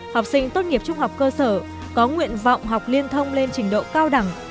học sinh tốt nghiệp trung học cơ sở có nguyện vọng học liên thông lên trình độ cao đẳng